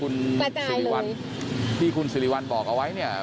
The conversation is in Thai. คุณสิริวัลที่คุณสิริวัลบอกเอาไว้เนี่ย